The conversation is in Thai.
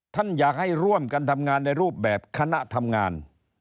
ท่านอยากให้ร่วมกันทำงานในรูปแบบคณะทำงาน